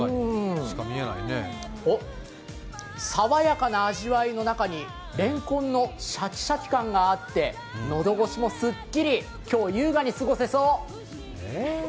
おっ、爽やかな味わいの中にれんこんのシャキシャキ感があって喉越しもすっきり、今日優雅に過ごせそう！